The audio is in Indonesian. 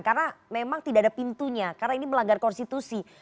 karena memang tidak ada pintunya karena ini melanggar konstitusi